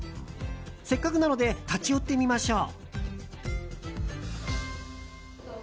せっかくなので立ち寄ってみましょう。